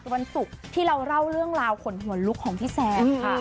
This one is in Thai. วันศุกร์ที่เราเล่าเรื่องราวขนหัวลุกของพี่แซนค่ะ